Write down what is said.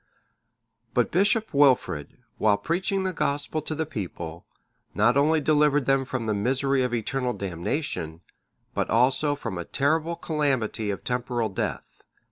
But Bishop Wilfrid, while preaching the Gospel to the people, not only delivered them from the misery of eternal damnation, but also from a terrible calamity of temporal death.